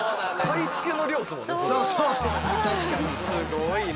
すごいね。